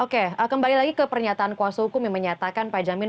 oke kembali lagi ke pernyataan kuasa hukum yang menyatakan pak jamin